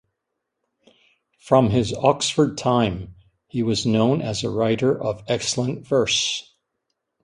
From his Oxford time he was known as a writer of excellent verse.